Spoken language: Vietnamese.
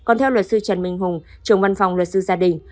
còn theo luật sư trần minh hùng trưởng văn phòng luật sư gia đình